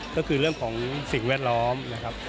ก็คือเรื่องของสิ่งแวดล้อมนะครับ